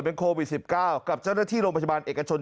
เป็นโควิด๑๙กับเจ้าหน้าที่โรงพยาบาลเอกชน